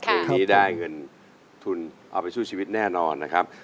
เพลงนี้ได้เงินทุนเอาไปสู้ชีวิตแน่นอนนะครับ